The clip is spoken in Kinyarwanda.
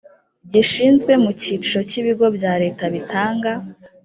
gishyizwe mu cyiciro cy ibigo bya leta bitanga